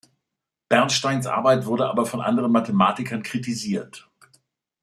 Bernsteins Arbeit wurde aber von anderen Mathematikern kritisiert.